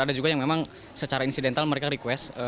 ada juga yang memang secara insidental mereka request